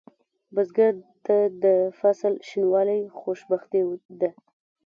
بزګر ته د فصل شینوالی خوشبختي ده